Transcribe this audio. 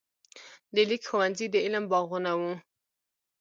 د لیک ښوونځي د علم باغونه وو.